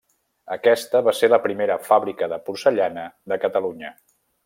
Aquesta va ser la primera fàbrica de porcellana de Catalunya.